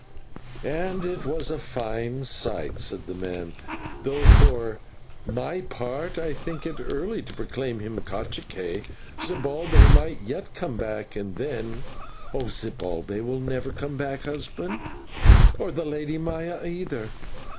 "It was a fine sight," said the man, "though for my part I think it early to proclaim him /cacique/. Zibalbay might yet come back, and then " "Zibalbay will never come back, husband, or the Lady Maya either.